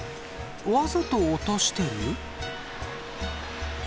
わざと落としてる？